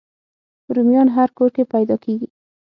رومیان هر کور کې پیدا کېږي